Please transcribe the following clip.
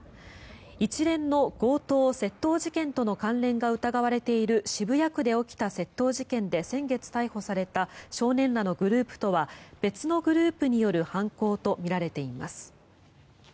一連の強盗・窃盗事件との関連が疑われている渋谷区で起きた窃盗事件で先月逮捕された少年らのグループとは別のグループによる犯行とみられています。